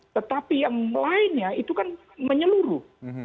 tetapi yang lainnya itu kan menyeluruh